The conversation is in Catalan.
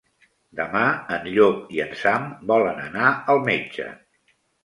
Demà en Llop i en Sam volen anar al metge.